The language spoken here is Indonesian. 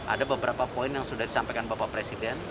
ada beberapa poin yang sudah disampaikan bapak presiden